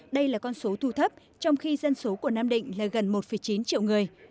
đây là con số thu thấp trong khi dân số của nam định là gần một chín triệu người